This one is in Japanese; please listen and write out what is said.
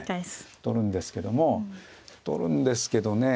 取るんですけども取るんですけどね